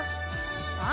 あ？